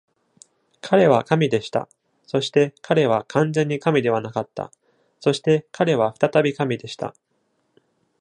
彼は神でした、そして彼は完全に神ではなかった、そして彼は再び神でした。